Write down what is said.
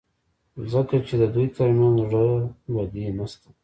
ځکه چې د دوی ترمنځ زړه بدي نشته.